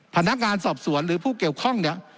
พนักงานสอบสวนหรือผู้เกี่ยวข้องเนี่ย